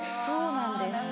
そうなんです。